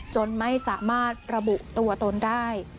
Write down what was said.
จนไม่สามารถระบุตัวตนได้